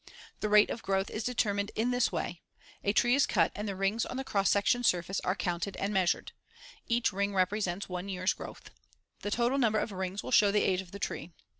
The rate of growth is determined in this way: A tree is cut and the rings on the cross section surface are counted and measured; see Fig. 124. Each ring represents one year's growth. The total number of rings will show the age of the tree.